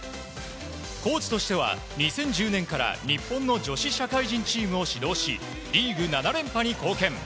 コーチとしては、２０１０年から日本の女子社会人チームを指導しリーグ７連覇に貢献。